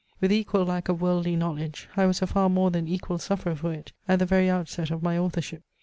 With equal lack of worldly knowledge, I was a far more than equal sufferer for it, at the very outset of my authorship.